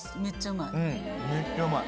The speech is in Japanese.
うんめっちゃうまい。